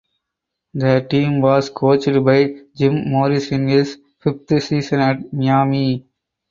The team was coached by Jim Morris in his fifth season at Miami.